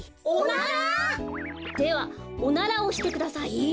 おなら？ではおならをしてください。